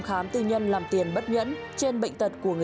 thế nên anh ấy đọc cái việc bán